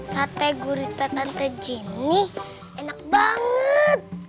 sate gurita tante gini enak banget